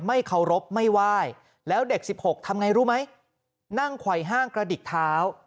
ไม่เคารพไม่ไหว้แล้วเด็ก๑๖ทำไงรู้ไหมนั่งไขว่ห้างกระดิกเท้า